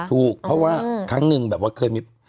ถูกเพราะว่าครั้งหนึ่งแบบว่าเคยมี